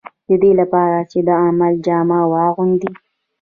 د دې لپاره چې د عمل جامه واغوندي.